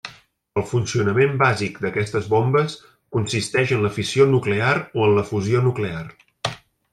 El funcionament bàsic d'aquestes bombes consisteix en la fissió nuclear o en la fusió nuclear.